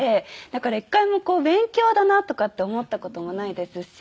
だから１回も勉強だなとかって思った事もないですし。